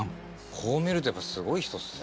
こう見るとやっぱすごい人っすね。